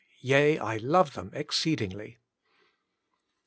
Yea, I love them exceedingly."